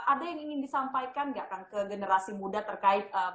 ada yang ingin disampaikan tidak kang ke generasi muda terkait bagaimana cara melestarikan